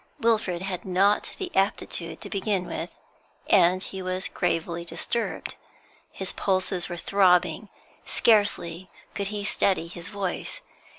Wilfrid had not the aptitude, to begin with, and he was gravely disturbed. His pulses were throbbing; scarcely could he steady his voice.